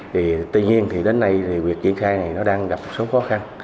thì tuy nhiên thì đến nay thì việc triển khai này nó đang gặp một số khó khăn